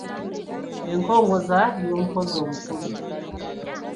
Enkongozza y’omukozzi omukulu